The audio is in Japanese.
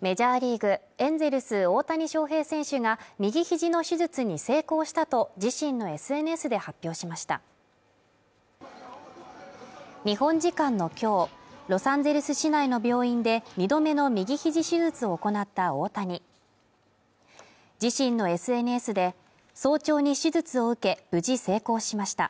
メジャーリーグエンゼルス大谷翔平選手が右ひじの手術に成功したと自身のＳＮＳで発表しました日本時間のきょうロサンゼルス市内の病院で２度目の右ひじ手術を行った大谷自身のＳＮＳで早朝に手術を受け無事成功しました